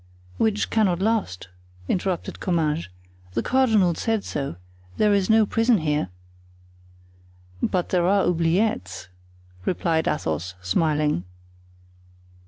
"Which cannot last," interrupted Comminges; "the cardinal said so; there is no prison here." "But there are oubliettes!" replied Athos, smiling.